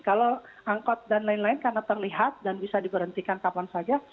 kalau angkot dan lain lain karena terlihat dan bisa diberhentikan kapan saja